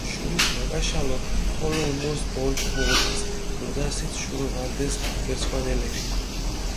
შურიშ მაკაშალო ხოლო უმოს ბორჯი ქუღუდეს, მუდგასით შურო ვარდეს გერჩქვანელეფი.